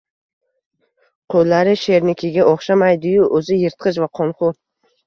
Qo’llari shernikiga o’xshamaydi-yu, o’zi yirtqich va qonxo’r